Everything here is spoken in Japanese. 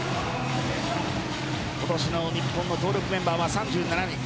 今年の日本の登録メンバーは３７人。